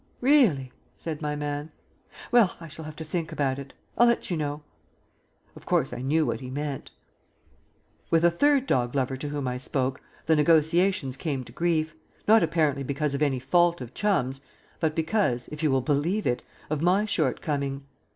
"Really?" said my man. "Well, I shall have to think about it. I'll let you know." Of course, I knew what he meant. With a third dog lover to whom I spoke the negotiations came to grief, not apparently because of any fault of Chum's, but because, if you will believe it, of my shortcomings.